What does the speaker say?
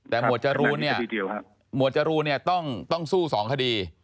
แต่หมวดจรูเนี่ยต้องสู้สองคดี